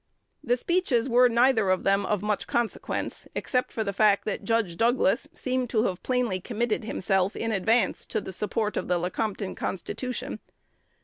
The speeches were neither of them of much consequence, except for the fact that Judge Douglas seemed to have plainly committed himself in advance to the support of the Lecompton Constitution.